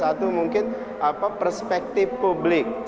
satu mungkin perspektif publik